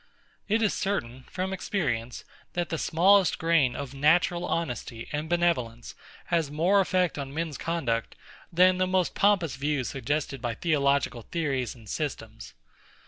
It is certain, from experience, that the smallest grain of natural honesty and benevolence has more effect on men's conduct, than the most pompous views suggested by theological theories and systems.